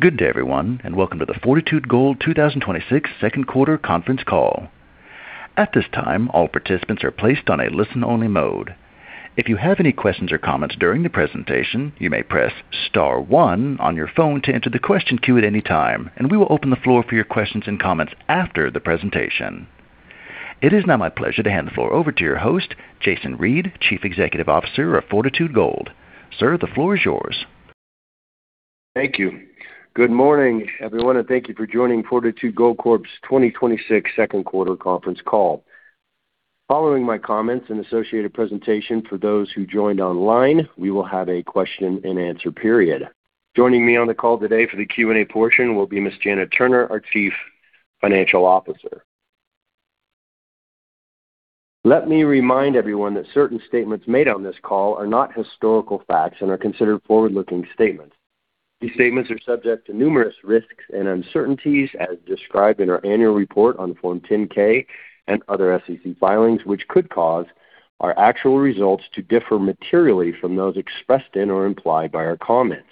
Good day, everyone. Welcome to the Fortitude Gold 2026 second quarter conference call. At this time, all participants are placed on a listen-only mode. If you have any questions or comments during the presentation, you may press star one on your phone to enter the question queue at any time. We will open the floor for your questions and comments after the presentation. It is now my pleasure to hand the floor over to your host, Jason Reid, Chief Executive Officer of Fortitude Gold. Sir, the floor is yours. Thank you. Good morning, everyone. Thank you for joining Fortitude Gold Corp's 2026 second quarter conference call. Following my comments and associated presentation for those who joined online, we will have a question-and-answer period. Joining me on the call today for the Q&A portion will be Ms. Janet Turner, our Chief Financial Officer. Let me remind everyone that certain statements made on this call are not historical facts and are considered forward-looking statements. These statements are subject to numerous risks and uncertainties as described in our annual report on Form 10-K and other SEC filings, which could cause our actual results to differ materially from those expressed in or implied by our comments.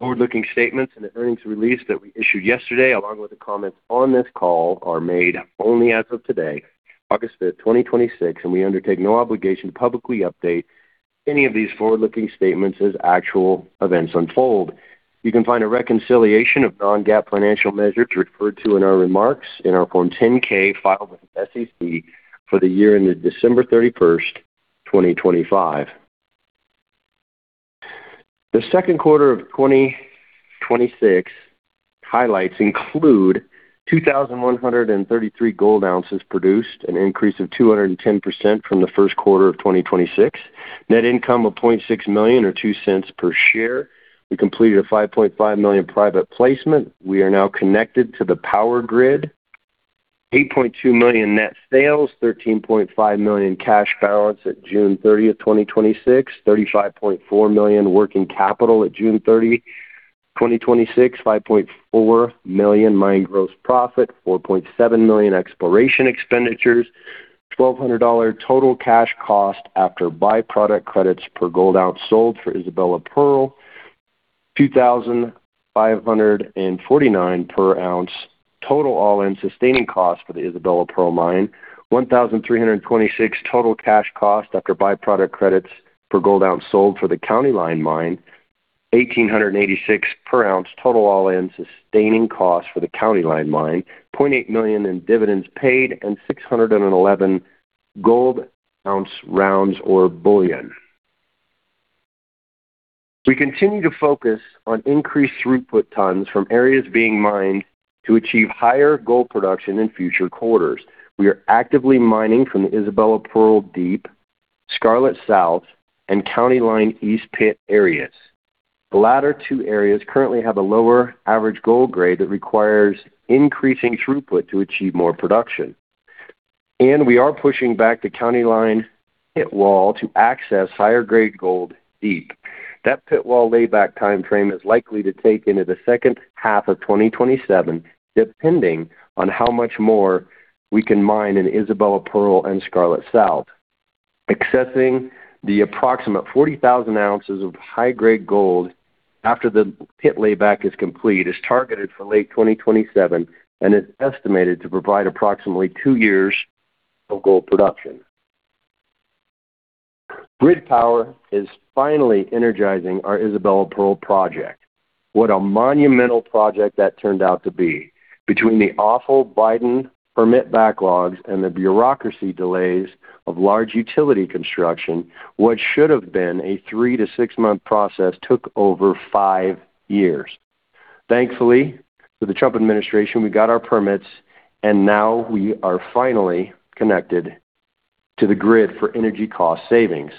Forward-looking statements in the earnings release that we issued yesterday, along with the comments on this call, are made only as of today, August 5th, 2026. We undertake no obligation to publicly update any of these forward-looking statements as actual events unfold. You can find a reconciliation of non-GAAP financial measures referred to in our remarks in our Form 10-K filed with the SEC for the year ended December 31st, 2025. The second quarter of 2026 highlights include 2,133 gold ounces produced, an increase of 210% from the first quarter of 2026. Net income of $0.6 million, or $0.02 per share. We completed a $5.5 million private placement. We are now connected to the power grid. $8.2 million net sales. $13.5 million cash balance at June 30th, 2026. $35.4 million working capital at June 30th, 2026. $5.4 million mine gross profit. $4.7 million exploration expenditures. $1,200 total cash cost after by-product credits per gold ounce sold for Isabella Pearl. $2,549 per ounce total all-in sustaining cost for the Isabella Pearl mine. $1,326 total cash cost after by-product credits per gold ounce sold for the County Line mine. $1,886 per ounce total all-in sustaining cost for the County Line mine. $0.8 million in dividends paid. 611 gold ounce rounds or bullion. We continue to focus on increased throughput tons from areas being mined to achieve higher gold production in future quarters. We are actively mining from the Isabella Pearl deep, Scarlet South, and County Line East pit areas. The latter two areas currently have a lower average gold grade that requires increasing throughput to achieve more production. We are pushing back the County Line pit wall to access higher-grade gold deep. That pit wall layback timeframe is likely to take into the second half of 2027, depending on how much more we can mine in Isabella Pearl and Scarlet South. Accessing the approximate 40,000 ounces of high-grade gold after the pit layback is complete is targeted for late 2027 and is estimated to provide approximately two years of gold production. Grid power is finally energizing our Isabella Pearl project. What a monumental project that turned out to be. Between the awful Biden permit backlogs and the bureaucracy delays of large utility construction, what should have been a three to six-month process took over five years. Thankfully, with the Trump administration, we got our permits, and now we are finally connected to the grid for energy cost savings.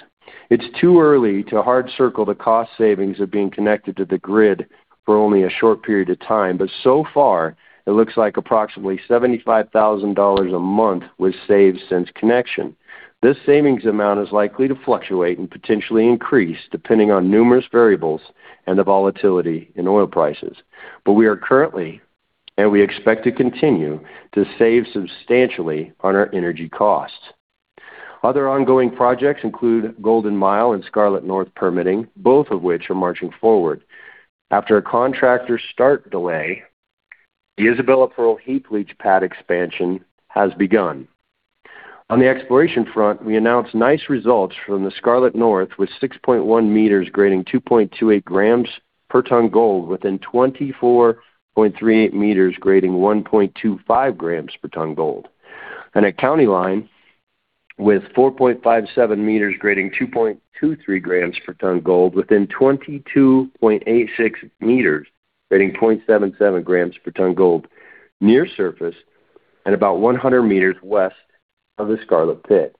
It's too early to hard circle the cost savings of being connected to the grid for only a short period of time, but so far, it looks like approximately $75,000 a month was saved since connection. This savings amount is likely to fluctuate and potentially increase depending on numerous variables and the volatility in oil prices. We are currently, and we expect to continue to save substantially on our energy costs. Other ongoing projects include Golden Mile and Scarlet North permitting, both of which are marching forward. After a contractor start delay, the Isabella Pearl heap leach pad expansion has begun. On the exploration front, we announced nice results from the Scarlet North with 6.51 m grading 2.28 grams per ton gold within 24.38 m, grading 1.25 grams per ton gold. At County Line, with 4.57 m grading 2.23 grams per ton gold within 22.86 m, grading 0.77 grams per ton gold near surface at about 100 m west of the Scarlet pit.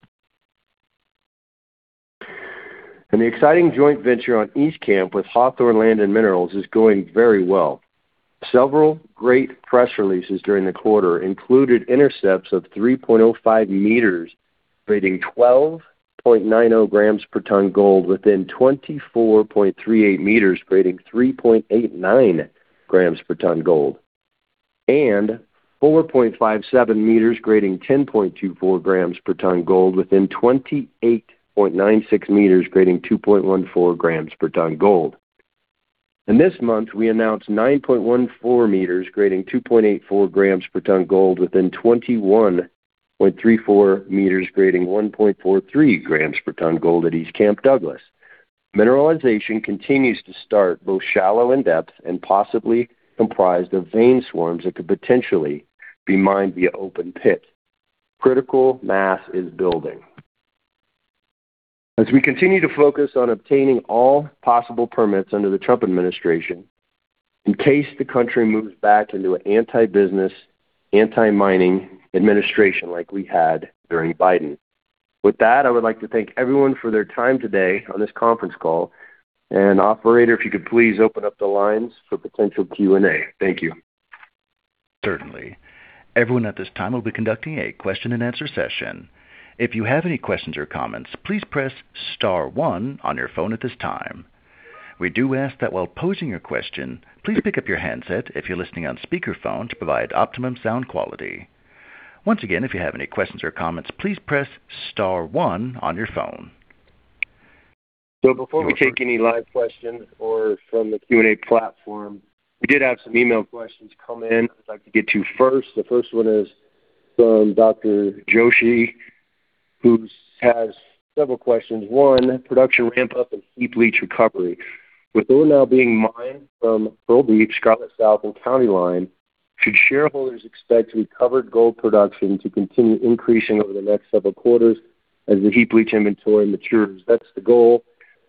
The exciting joint venture on East Camp with Hawthorne Land & Minerals is going very well. Several great press releases during the quarter included intercepts of 3.05 m grading 12.90 grams per ton gold within 24.38 m, grading 3.89 grams per ton gold. 4.57 m grading 10.24 grams per ton gold within 28.96 m grading 2.14 grams per ton gold. In this month, we announced 9.14 m grading 2.84 grams per ton gold within 21.34 m grading 1.43 grams per ton gold at East Camp Douglas. Mineralization continues to start both shallow and depth and possibly comprised of vein swarms that could potentially be mined via open pit. Critical mass is building. As we continue to focus on obtaining all possible permits under the Trump administration, in case the country moves back into an anti-business, anti-mining administration like we had during Biden. With that, I would like to thank everyone for their time today on this conference call. Operator, if you could please open up the lines for potential Q&A. Thank you. Certainly. Everyone at this time will be conducting a question-and-answer session. If you have any questions or comments, please press star one on your phone at this time. We do ask that while posing your question, please pick up your handset if you're listening on speaker phone to provide optimum sound quality. Once again, if you have any questions or comments, please press star one on your phone. Before we take any live questions or from the Q&A platform, we did have some email questions come in I'd like to get to first. The first one is from Dr. Joshi, who has several questions. One, production ramp up and heap leach recovery. With ore now being mined from Isabella Pearl, Scarlet South and County Line, should shareholders expect recovered gold production to continue increasing over the next several quarters as the heap leach inventory matures? That's the goal.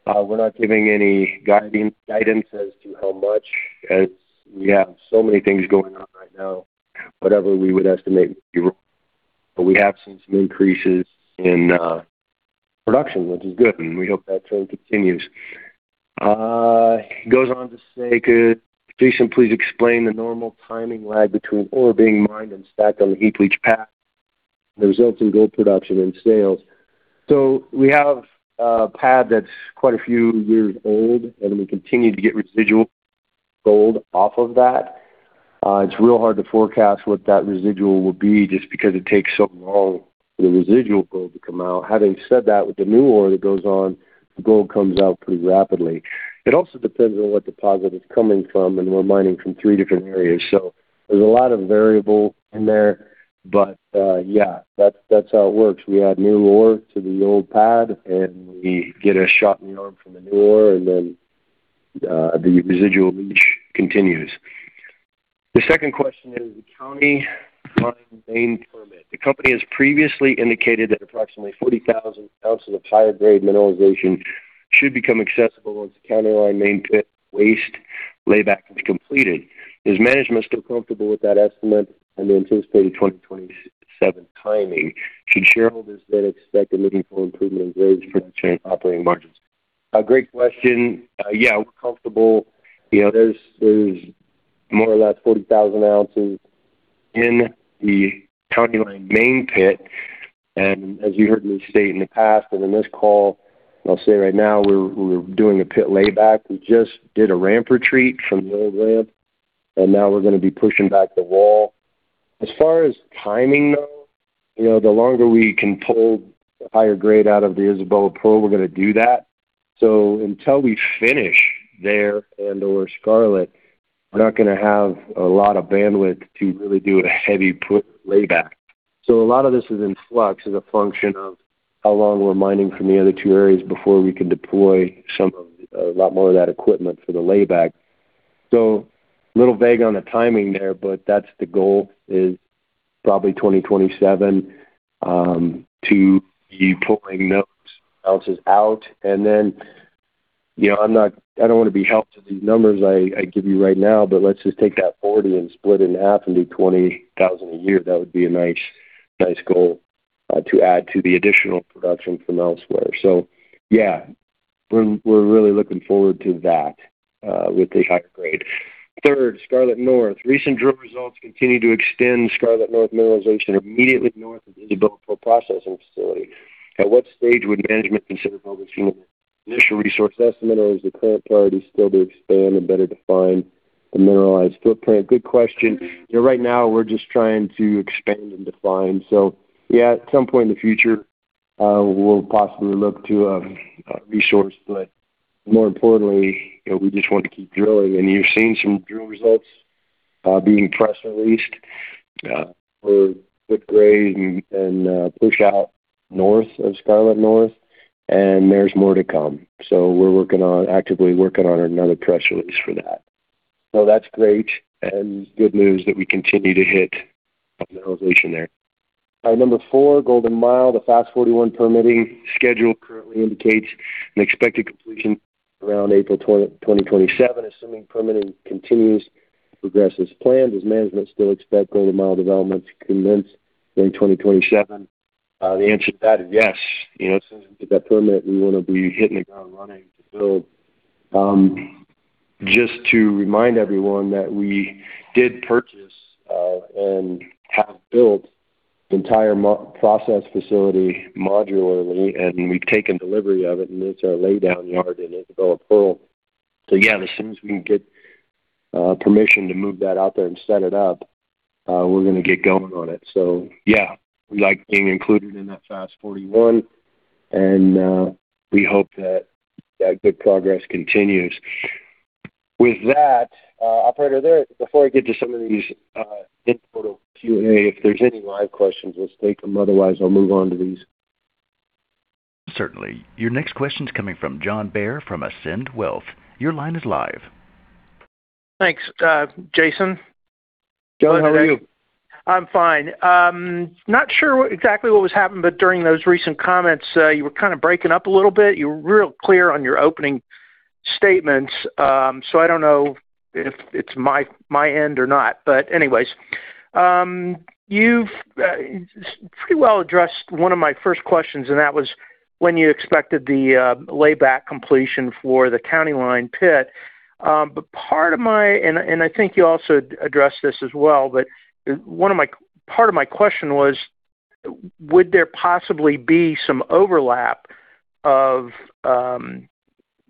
We're not giving any guidance as to how much as we have so many things going on right now. Whatever we would estimate would be wrong. We have seen some increases in production, which is good, and we hope that trend continues. He goes on to say, could Jason please explain the normal timing lag between ore being mined and stacked on the heap leach pad that results in gold production and sales? We have a pad that's quite a few years old, and we continue to get residual gold off of that. It's real hard to forecast what that residual will be just because it takes so long for the residual gold to come out. Having said that, with the new ore that goes on, the gold comes out pretty rapidly. It also depends on what deposit it's coming from, and we're mining from three different areas. There's a lot of variable in there. Yeah, that's how it works. We add new ore to the old pad, and we get a shot in the arm from the new ore, and then the residual leach continues. The second question is the County Line main permit. The company has previously indicated that approximately 40,000 ounces of higher-grade mineralization should become accessible once the County Line main pit waste layback is completed. Is management still comfortable with that estimate and the anticipated 2027 timing? Should shareholders then expect a meaningful improvement in grade, production, and operating margins? A great question. Yeah, we're comfortable. There's more or less 40,000 ounces in the County Line main pit. As you heard me state in the past and in this call, and I'll say right now, we're doing a pit layback. We just did a ramp retreat from the old ramp, and now we're going to be pushing back the wall. As far as timing, though, the longer we can pull the higher grade out of the Isabella Pearl, we're going to do that. Until we finish there and/or Scarlet, we're not going to have a lot of bandwidth to really do a heavy pit layback. A lot of this is in flux as a function of how long we're mining from the other two areas before we can deploy a lot more of that equipment for the layback. A little vague on the timing there, but that's the goal is probably 2027, to be pulling those ounces out. I don't want to be held to these numbers I give you right now, but let's just take that 40 and split it in half and do 20,000 a year. That would be a nice goal to add to the additional production from elsewhere. Yeah, we're really looking forward to that, with the higher grade. Third, Scarlet North. Recent drill results continue to extend Scarlet North mineralization immediately north of Isabella Pearl processing facility. At what stage would management consider publishing an initial resource estimate, or is the current priority still to expand and better define the mineralized footprint? Good question. Right now we're just trying to expand and define. Yeah, at some point in the future, we'll possibly look to a resource, but more importantly, we just want to keep drilling. You're seeing some drill results being press released for good grade and push out north of Scarlet North, and there's more to come. We're actively working on another press release for that. That's great and good news that we continue to hit mineralization there. Number four, Golden Mile. The FAST-41 permitting schedule currently indicates an expected completion around April 2027, assuming permitting continues to progress as planned. Does management still expect Golden Mile development to commence in 2027? The answer to that is yes. As soon as we get that permit, we want to be hitting the ground running to build. Just to remind everyone that we did purchase, and have built the entire process facility modularly, and we've taken delivery of it, and it's our laydown yard in Isabella Pearl. Yes, as soon as we can get permission to move that out there and set it up, we're going to get going on it. Yes, we like being included in that FAST-41, and we hope that that good progress continues. With that, operator, before I get to some of these into a little Q&A, if there's any live questions, let's take them. Otherwise, I'll move on to these. Certainly. Your next question's coming from John Bair from Ascend Wealth. Your line is live. Thanks, Jason. John, how are you? I'm fine. Not sure exactly what was happening, during those recent comments, you were kind of breaking up a little bit. You were real clear on your opening statements, I don't know if it's my end or not, anyways. You've pretty well addressed one of my first questions, and that was when you expected the layback completion for the County Line pit. Part of my, and I think you also addressed this as well, part of my question was, would there possibly be some overlap of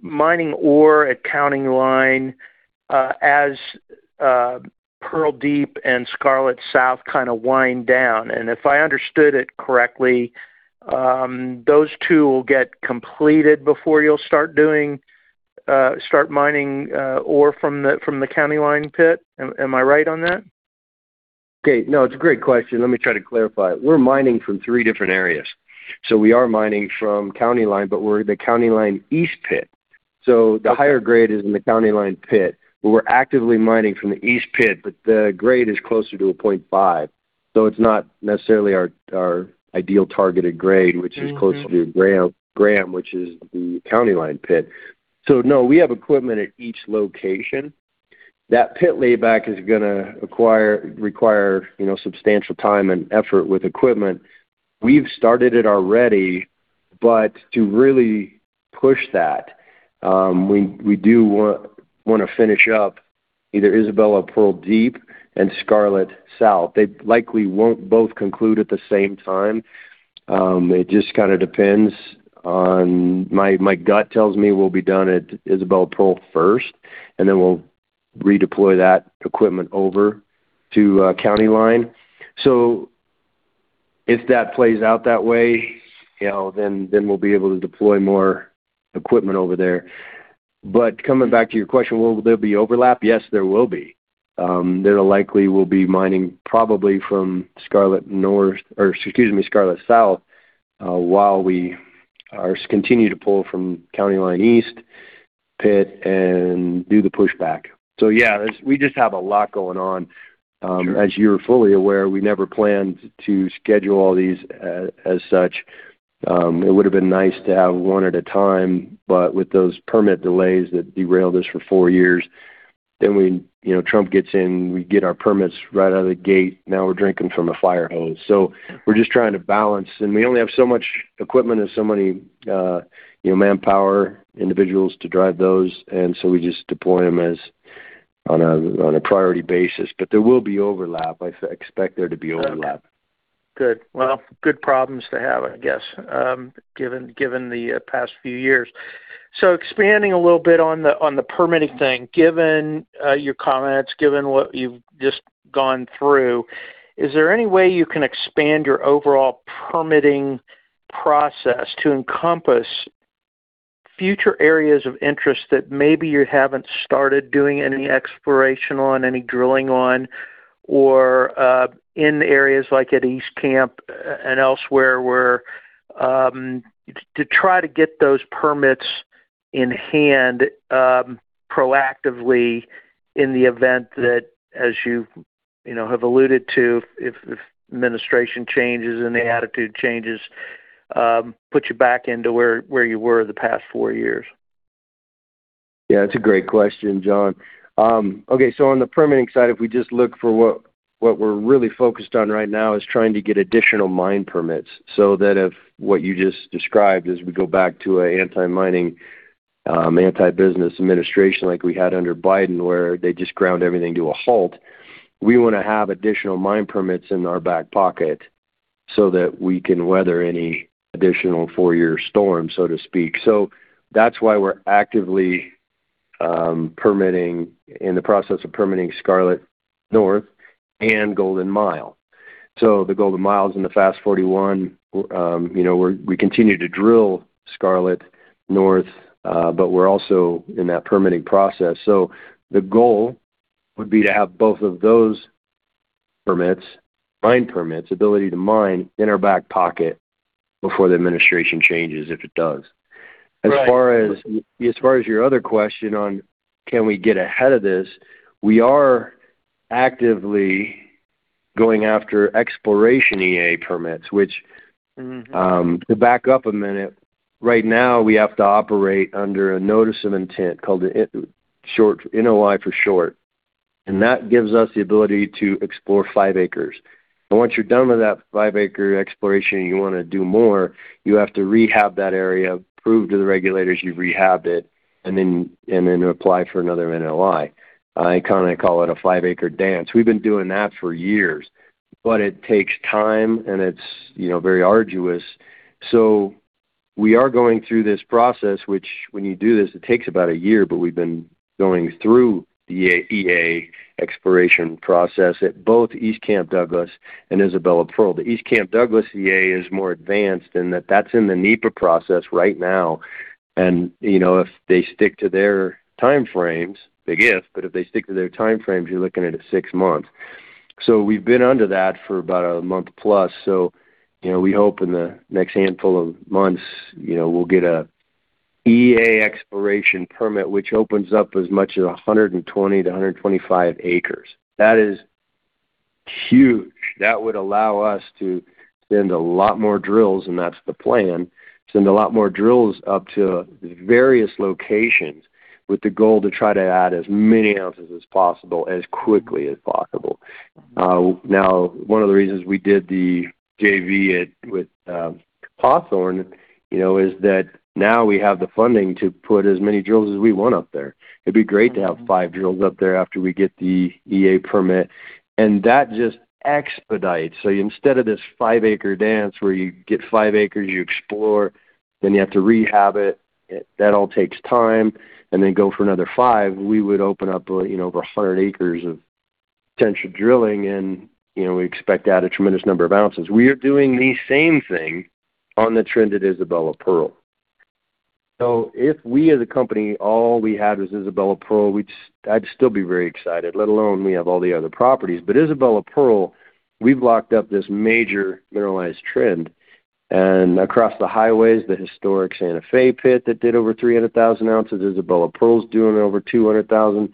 mining ore at County Line as Pearl Deep and Scarlet South kind of wind down? If I understood it correctly, those two will get completed before you'll start mining ore from the County Line pit. Am I right on that? Okay. No, it's a great question. Let me try to clarify. We're mining from three different areas. We are mining from County Line, but we're the County Line East pit. The higher grade is in the County Line pit, we're actively mining from the east pit, the grade is closer to a 0.5. It's not necessarily our ideal targeted grade, which is closer to a gram, which is the County Line pit. No, we have equipment at each location. That pit layback is going to require substantial time and effort with equipment. We've started it already, but to really push that, we do want to finish up either Isabella Pearl Deep and Scarlet South. They likely won't both conclude at the same time. It just kind of depends on My gut tells me we'll be done at Isabella Pearl first, and then we'll redeploy that equipment over to County Line. If that plays out that way, then we'll be able to deploy more equipment over there. Coming back to your question, will there be overlap? Yes, there will be. There likely will be mining probably from Scarlet South while we continue to pull from County Line East pit and do the pushback. Yes, we just have a lot going on. As you're fully aware, we never planned to schedule all these as such. It would've been nice to have one at a time, but with those permit delays that derailed us for four years, then Trump gets in, we get our permits right out of the gate. Now we're drinking from a fire hose. We're just trying to balance, and we only have so much equipment and so many manpower, individuals to drive those, and so we just deploy them on a priority basis. There will be overlap. I expect there to be overlap. Good. Well, good problems to have, I guess, given the past few years. Expanding a little bit on the permitting thing, given your comments, given what you've just gone through, is there any way you can expand your overall permitting process to encompass future areas of interest that maybe you haven't started doing any exploration on, any drilling on, or in areas like at East Camp and elsewhere, to try to get those permits in hand proactively in the event that, as you have alluded to, if the administration changes and the attitude changes, put you back into where you were the past four years? Yeah. It's a great question, John. On the permitting side, if we just look for what we're really focused on right now is trying to get additional mine permits so that if what you just described, as we go back to an anti-mining, anti-business administration like we had under Biden where they just ground everything to a halt, we want to have additional mine permits in our back pocket so that we can weather any additional four-year storm, so to speak. That's why we're actively in the process of permitting Scarlet North and Golden Mile. The Golden Mile's in the FAST-41. We continue to drill Scarlet North, but we're also in that permitting process. The goal would be to have both of those permits, mine permits, ability to mine in our back pocket before the administration changes, if it does. As far as your other question on can we get ahead of this, we are actively going after exploration EA permits. To back up a minute, right now, we have to operate under a notice of intent called the NOI for short, and that gives us the ability to explore 5 acres. Once you're done with that 5-acre exploration and you want to do more, you have to rehab that area, prove to the regulators you've rehabbed it, and then apply for another NOI. I kind of call it a 5-acre dance. We've been doing that for years, but it takes time, and it's very arduous. We are going through this process, which when you do this, it takes about a year, but we've been going through the EA exploration process at both East Camp Douglas and Isabella Pearl. The East Camp Douglas EA is more advanced in that's in the NEPA process right now, if they stick to their timeframes, big if, but if they stick to their timeframes, you're looking at six months. We've been under that for about a month plus, we hope in the next handful of months, we'll get an EA exploration permit, which opens up as much as 120-125 acres. That is huge. That would allow us to send a lot more drills, and that's the plan, send a lot more drills up to various locations with the goal to try to add as many ounces as possible as quickly as possible. One of the reasons we did the JV with Hawthorne, is that now we have the funding to put as many drills as we want up there. It'd be great to have five drills up there after we get the EA permit, that just expedites. Instead of this 5-acre dance where you get 5 acres, you explore, then you have to rehab it. That all takes time. Then go for another five. We would open up over 100 acres of potential drilling, and we expect to add a tremendous number of ounces. We are doing the same thing on the trend at Isabella Pearl. If we as a company, all we had was Isabella Pearl, I'd still be very excited, let alone we have all the other properties. Isabella Pearl, we've locked up this major mineralized trend, across the highways, the historic Santa Fe pit that did over 300,000 ounces, Isabella Pearl's doing over 200,000.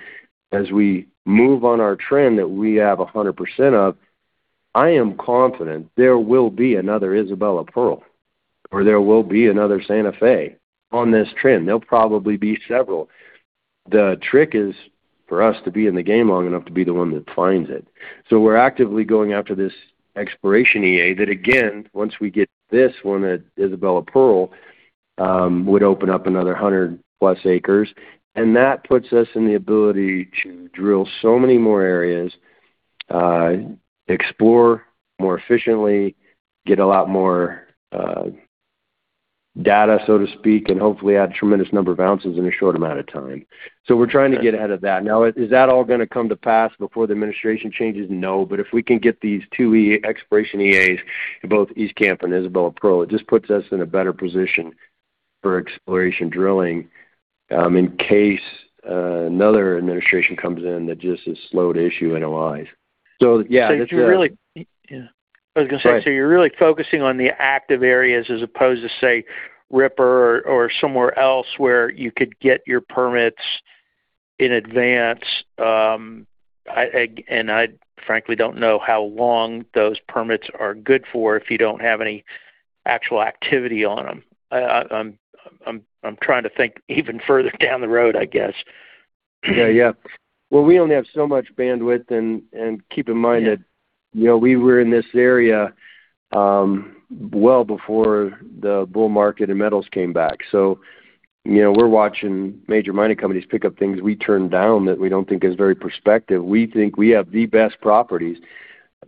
As we move on our trend that we have 100% of, I am confident there will be another Isabella Pearl or there will be another Santa Fe on this trend. There'll probably be several. The trick is for us to be in the game long enough to be the one that finds it. We're actively going after this exploration EA that again, once we get this one at Isabella Pearl, would open up another 100+ acres, and that puts us in the ability to drill so many more areas, explore more efficiently, get a lot more data, so to speak, and hopefully add a tremendous number of ounces in a short amount of time. We're trying to get ahead of that. Now, is that all going to come to pass before the administration changes? No. If we can get these two exploration EAs at both East Camp and Isabella Pearl, it just puts us in a better position for exploration drilling, in case another administration comes in that just as slow to issue NOIs. Yeah. You're really, yeah. I was going to say, you're really focusing on the active areas as opposed to, say, Ripper or somewhere else where you could get your permits in advance. I frankly don't know how long those permits are good for if you don't have any actual activity on them. I'm trying to think even further down the road, I guess. Yeah. Well, we only have so much bandwidth, and keep in mind that we were in this area, well before the bull market and metals came back. We're watching major mining companies pick up things we turned down that we don't think is very prospective. We think we have the best properties.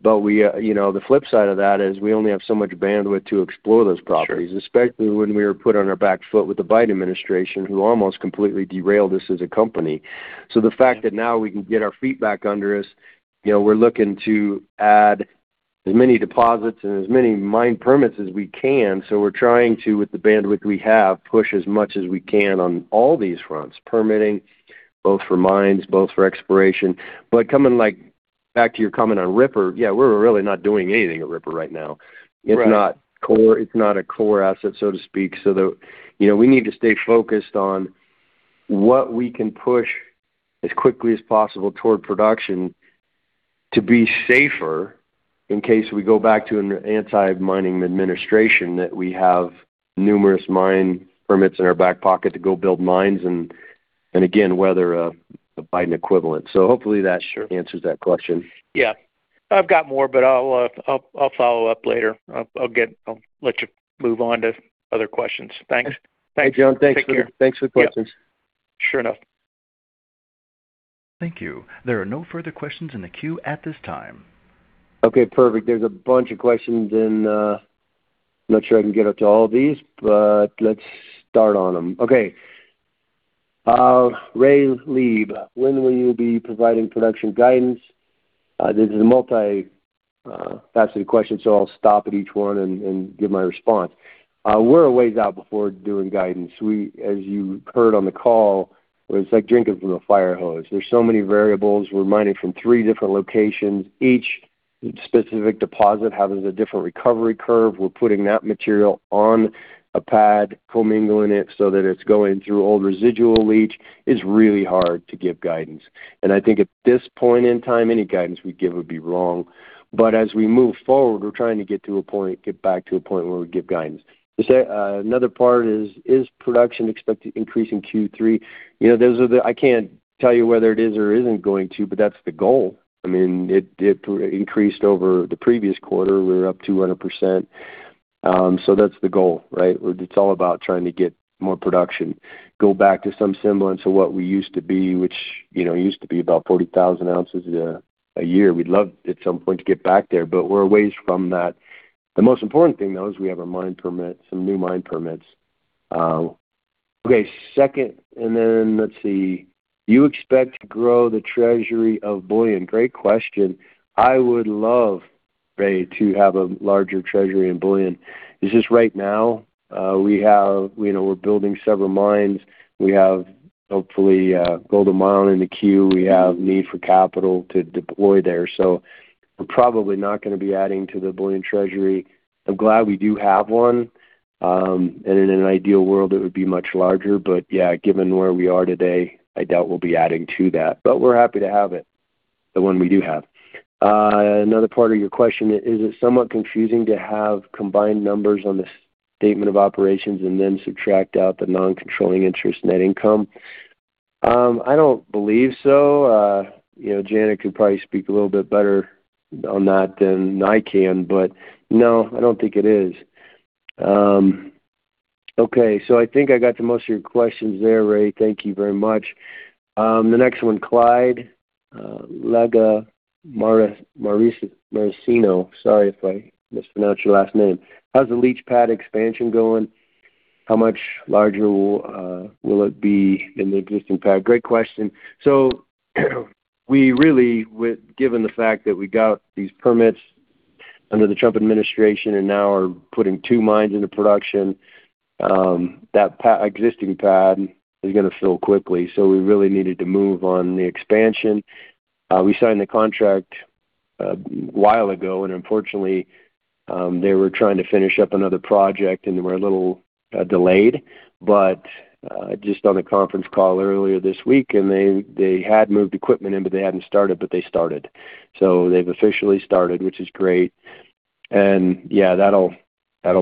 The flip side of that is we only have so much bandwidth to explore those properties. Expect when we were put on a backflow with the Biden administration who almost completely derailed us as a company. The fact that now we can get our feet back under us, we're looking to add as many deposits and as many mine permits as we can. We're trying to, with the bandwidth we have, push as much as we can on all these fronts, permitting, both for mines, both for exploration. Coming back to your comment on Ripper, yeah, we're really not doing anything at Ripper right now. It's not a core asset, so to speak. We need to stay focused on what we can push as quickly as possible toward production to be safer in case we go back to an anti-mining administration, that we have numerous mine permits in our back pocket to go build mines, and again, weather a Biden equivalent. Hopefully that answers that question. Yeah. I've got more, but I'll follow up later. I'll let you move on to other questions. Thanks. Take care. Thanks, John. Thanks for the questions. Sure enough. Thank you. There are no further questions in the queue at this time. Okay, perfect. There's a bunch of questions in. I'm not sure I can get up to all of these. Let's start on them. Okay. Ray Lieb. "When will you be providing production guidance?" This is a multifaceted question. I'll stop at each one and give my response. We're a ways out before doing guidance. As you heard on the call, it's like drinking from a fire hose. There's so many variables. We're mining from three different locations. Each specific deposit has a different recovery curve. We're putting that material on a pad, commingling it so that it's going through old residual leach. It's really hard to give guidance. I think at this point in time, any guidance we give would be wrong. As we move forward, we're trying to get back to a point where we give guidance. Another part is, "Is production expected to increase in Q3?" I can't tell you whether it is or isn't going to, but that's the goal. It increased over the previous quarter. We were up 200%. That's the goal, right? It's all about trying to get more production. Go back to some semblance of what we used to be, which used to be about 40,000 ounces a year. We'd love at some point to get back there, but we're a ways from that. The most important thing, though, is we have our mine permit, some new mine permits. Second, then let's see. You expect to grow the treasury of bullion? Great question. I would love, Ray, to have a larger treasury in bullion. It's just right now, we're building several mines. We have, hopefully, Golden Mile the queue. We have need for capital to deploy there. We're probably not going to be adding to the bullion treasury. I'm glad we do have one. In an ideal world, it would be much larger, but yeah, given where we are today, I doubt we'll be adding to that. We're happy to have it, the one we do have. Another part of your question, is it somewhat confusing to have combined numbers on the statement of operations and then subtract out the non-controlling interest net income? I don't believe so. Janet could probably speak a little bit better on that than I can. No, I don't think it is. I think I got to most of your questions there, Ray. Thank you very much. The next one, Clyde Legamaricino. Sorry if I mispronounced your last name. How's the leach pad expansion going? How much larger will it be than the existing pad? Great question. We really, given the fact that we got these permits under the Trump administration and now are putting two mines into production, that existing pad is going to fill quickly. We really needed to move on the expansion. We signed the contract a while ago, and unfortunately, they were trying to finish up another project, and they were a little delayed. Just on the conference call earlier this week, they had moved equipment in, but they hadn't started, but they started. They've officially started, which is great. Yeah, that'll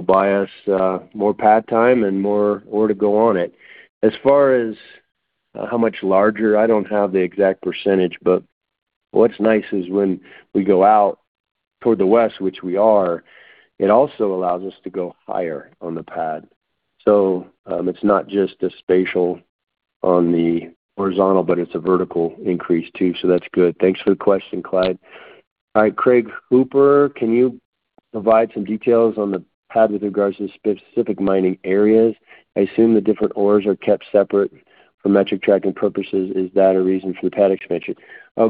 buy us more pad time and more ore to go on it. As far as how much larger, I don't have the exact percentage, but what's nice is when we go out toward the west, which we are, it also allows us to go higher on the pad. It's not just a spatial on the horizontal, but it's a vertical increase, too. That's good. Thanks for the question, Clyde. All right. Craig Hooper, can you provide some details on the pad with regards to specific mining areas? I assume the different ores are kept separate for metric tracking purposes. Is that a reason for the pad expansion?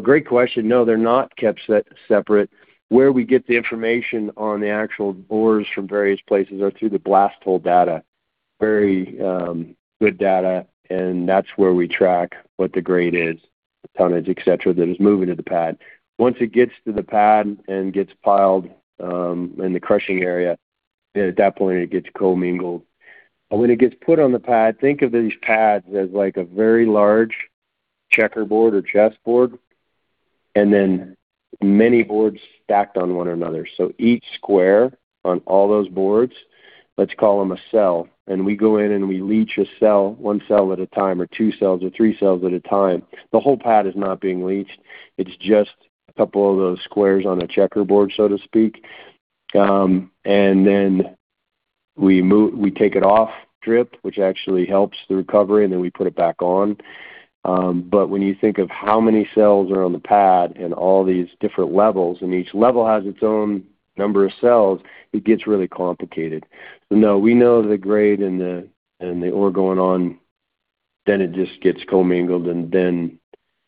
Great question. No, they're not kept separate. Where we get the information on the actual ores from various places are through the blast hole data. Very good data, and that's where we track what the grade is, the tonnage, et cetera, that is moving to the pad. Once it gets to the pad and gets piled in the crushing area, then at that point, it gets commingled. When it gets put on the pad, think of these pads as like a very large checkerboard or chessboard, then many boards stacked on one another. Each square on all those boards, let's call them a cell, and we go in and we leach a cell, one cell at a time, or two cells or three cells at a time. The whole pad is not being leached. It's just a couple of those squares on a checkerboard, so to speak. Then we take it off drip, which actually helps the recovery, then we put it back on. When you think of how many cells are on the pad and all these different levels, and each level has its own number of cells, it gets really complicated. No, we know the grade and the ore going on, then it just gets commingled, then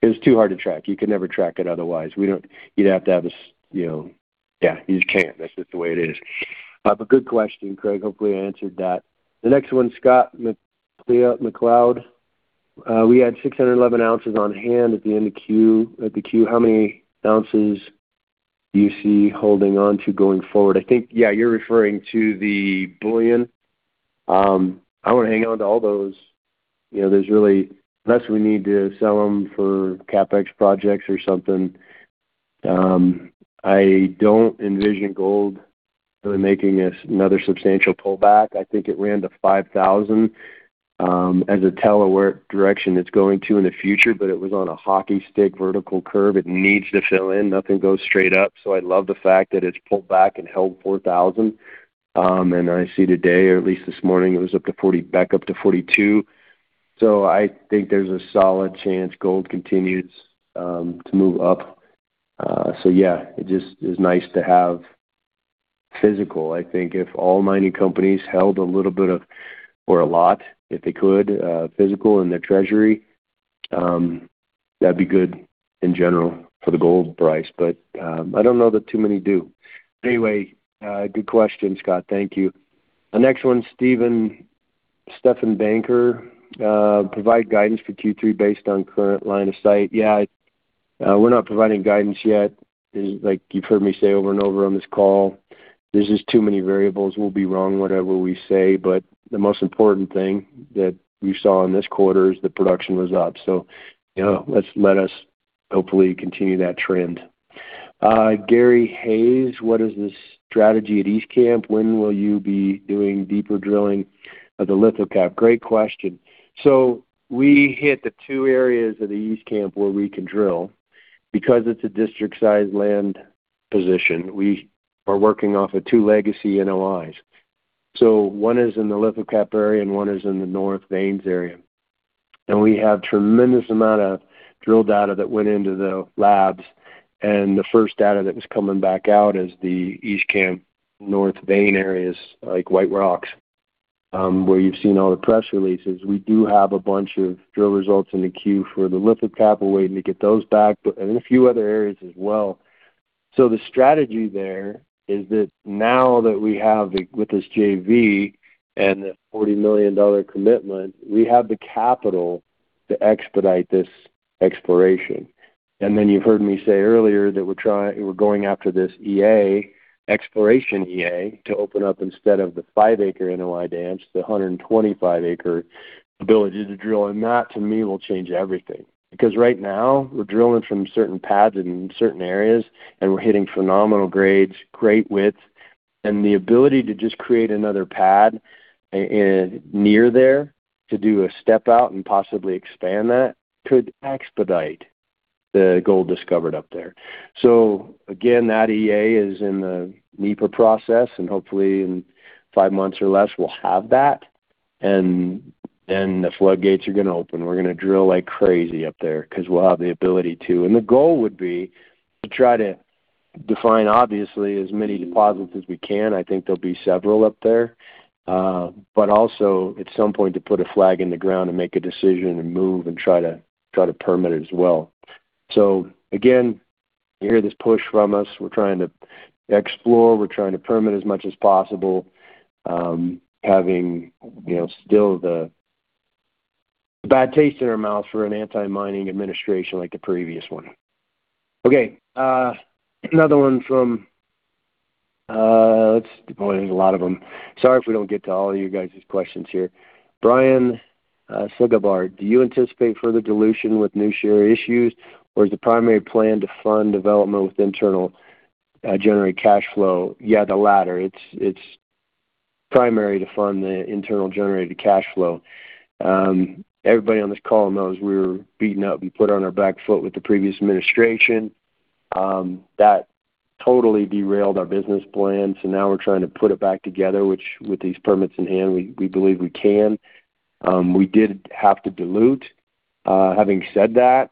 it's too hard to track. You can never track it otherwise. You just can't. That's just the way it is. Good question, Craig. Hopefully, I answered that. The next one, Scott McLeod. We had 611 ounces on hand at the end of Q. How many ounces do you see holding on to going forward? I think, yeah, you're referring to the bullion. I want to hang on to all those. Unless we need to sell them for CapEx projects or something. I don't envision gold really making another substantial pullback. I think it ran to $5,000 as a tell of where direction it's going to in the future, but it was on a hockey stick vertical curve. It needs to fill in. Nothing goes straight up. I love the fact that it's pulled back and held $4,000. I see today, or at least this morning, it was back up to $42. I think there's a solid chance gold continues to move up. Yeah, it just is nice to have physical. I think if all mining companies held a little bit of, or a lot, if they could, physical in their treasury, that'd be good in general for the gold price. I don't know that too many do. Anyway, good question, Scott. Thank you. The next one, Stephan Banker. Provide guidance for Q3 based on current line of sight. Yeah, we're not providing guidance yet. Like you've heard me say over and over on this call, there's just too many variables. We'll be wrong whatever we say. The most important thing that you saw in this quarter is the production was up. Let us hopefully continue that trend. Gary Hayes, what is the strategy at East Camp? When will you be doing deeper drilling of the lithocap? Great question. We hit the two areas of the East Camp where we can drill. Because it's a district-sized land position, we are working off of two legacy NOIs. One is in the lithocap area, one is in the north veins area. We have tremendous amount of drill data that went into the labs, the first data that was coming back out is the East Camp, north vein areas, like White Rocks, where you've seen all the press releases. We do have a bunch of drill results in the queue for the lithocap, waiting to get those back. A few other areas as well. The strategy there is that now that we have, with this JV and the $40 million commitment, we have the capital to expedite this exploration. You've heard me say earlier that we're going after this EA, exploration EA, to open up instead of the 5-acre NOI dance, the 125-acre ability to drill. That, to me, will change everything. Right now, we're drilling from certain pads in certain areas, and we're hitting phenomenal grades, great width. The ability to just create another pad near there to do a step out and possibly expand that, could expedite the gold discovered up there. Again, that EA is in the NEPA process, and hopefully in five months or less, we'll have that. The floodgates are going to open. We're going to drill like crazy up there because we'll have the ability to. The goal would be to try to define, obviously, as many deposits as we can. I think there'll be several up there. Also, at some point, to put a flag in the ground and make a decision and move and try to permit it as well. You hear this push from us. We're trying to explore, we're trying to permit as much as possible, having still the bad taste in our mouths for an anti-mining administration like the previous one. Another one from, [inaudible] there's a lot of them. Sorry if we don't get to all of you guys' questions here. [Brian Sugabart]. Do you anticipate further dilution with new share issues, or is the primary plan to fund development with internal generated cash flow?" Yeah, the latter. It's primary to fund the internal generated cash flow. Everybody on this call knows we were beaten up and put on our back foot with the previous administration. That totally derailed our business plan. Now we're trying to put it back together, which with these permits in hand, we believe we can. We did have to dilute. Having said that,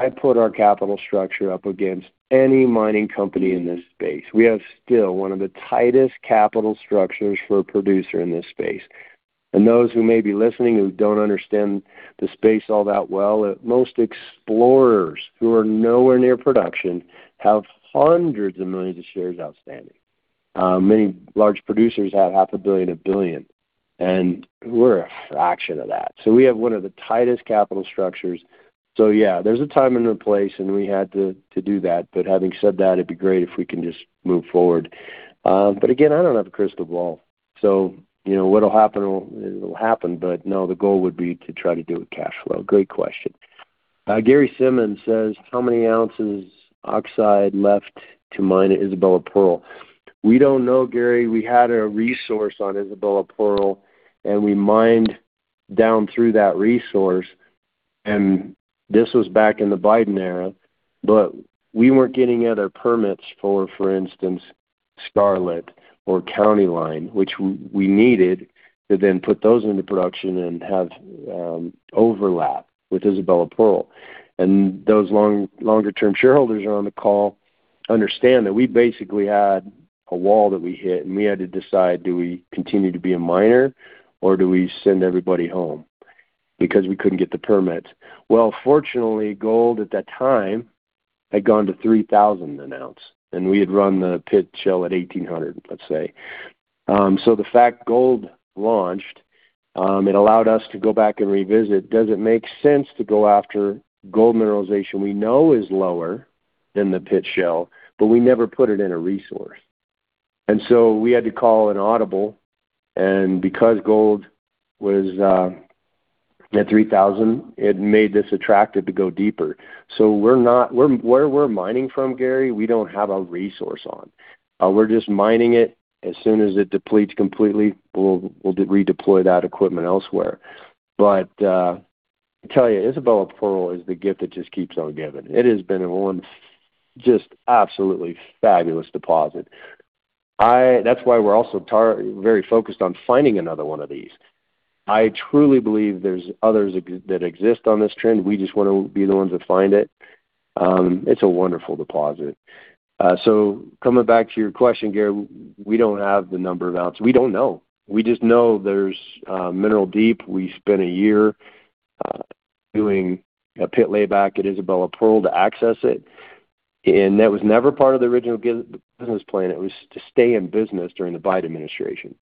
I put our capital structure up against any mining company in this space. We have still one of the tightest capital structures for a producer in this space. Those who may be listening who don't understand the space all that well, most explorers who are nowhere near production have hundreds of millions of shares outstanding. Many large producers have half a billion, a billion, and we're a fraction of that. We have one of the tightest capital structures. Yeah, there's a time and a place, and we had to do that. Having said that, it'd be great if we can just move forward. Again, I don't have a crystal ball, so what'll happen'll happen. The goal would be to try to do it with cash flow. Great question. Gary Simmons says, "How many ounces oxide left to mine at Isabella Pearl?" We don't know, Gary. We had a resource on Isabella Pearl, and we mined down through that resource, and this was back in the Biden era. We weren't getting at our permits for instance, Scarlet or County Line, which we needed to then put those into production and have overlap with Isabella Pearl. Those longer term shareholders that are on the call understand that we basically had a wall that we hit. We had to decide, do we continue to be a miner or do we send everybody home? We couldn't get the permits. Fortunately, gold at that time had gone to $3,000 an ounce, and we had run the pit shell at $1,800, let's say. The fact gold launched, it allowed us to go back and revisit, does it make sense to go after gold mineralization we know is lower than the pit shell, but we never put it in a resource? We had to call an audible. Because gold was at $3,000, it made this attractive to go deeper. Where we're mining from, Gary, we don't have a resource on. We're just mining it. As soon as it depletes completely, we'll redeploy that equipment elsewhere. I tell you, Isabella Pearl is the gift that just keeps on giving. It has been one just absolutely fabulous deposit. That's why we're also very focused on finding another one of these. I truly believe there's others that exist on this trend. We just want to be the ones that find it. It's a wonderful deposit. Coming back to your question, Gary, we don't have the number of ounces. We don't know. We just know there's mineral deep. We spent a year doing a pit layback at Isabella Pearl to access it. That was never part of the original business plan. It was to stay in business during the Biden administration.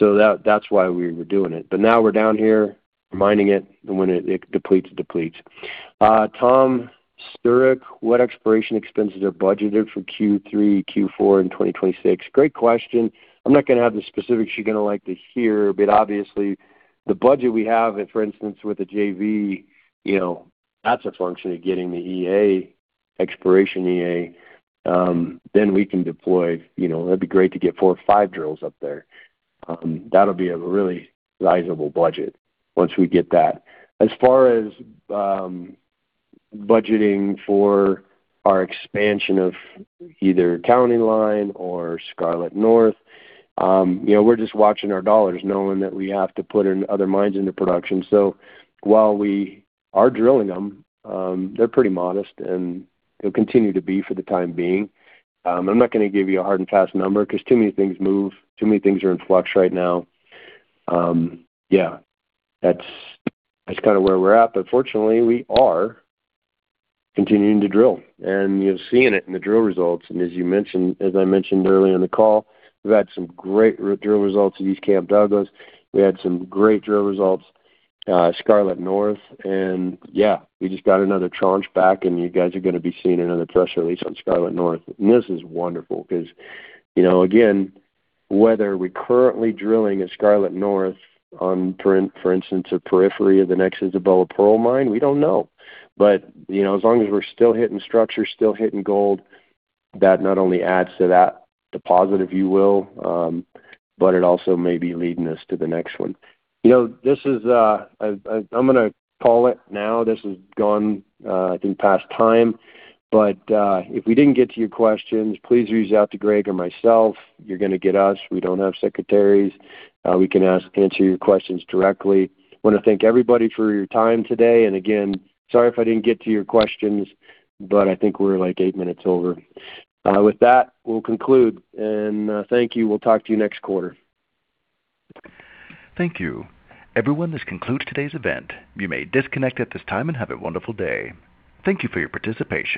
That's why we were doing it. Now we're down here mining it. When it depletes, it depletes. Tom Sturrick, "What exploration expenses are budgeted for Q3, Q4 in 2026?" Great question. I'm not going to have the specifics you're going to like to hear. Obviously the budget we have, for instance, with the JV, that's a function of getting the EA, exploration EA. Then we can deploy. It'd be great to get four or five drills up there. That'll be a really sizable budget once we get that. As far as budgeting for our expansion of either County Line or Scarlet North, we're just watching our dollars knowing that we have to put other mines into production. While we are drilling them, they're pretty modest. They'll continue to be for the time being. I'm not going to give you a hard and fast number because too many things move, too many things are in flux right now. That's kind of where we're at. Fortunately, we are continuing to drill. You're seeing it in the drill results. As I mentioned earlier in the call, we've had some great drill results at East Camp Douglas. We had some great drill results, Scarlet North. We just got another tranche back. You guys are going to be seeing another press release on Scarlet North. This is wonderful because, again, whether we're currently drilling at Scarlet North on, for instance, a periphery of the next Isabella Pearl mine, we don't know. As long as we're still hitting structure, still hitting gold, that not only adds to that deposit, if you will, but it also may be leading us to the next one. I'm going to call it now. This has gone, I think, past time. If we didn't get to your questions, please reach out to Greg or myself. You're going to get us. We don't have secretaries. We can answer your questions directly. We want to thank everybody for your time today. Again, I am sorry if I didn't get to your questions. I think we're like eight minutes over. With that, we'll conclude. Thank you. We'll talk to you next quarter. Thank you. Everyone, this concludes today's event. You may disconnect at this time. Have a wonderful day. Thank you for your participation.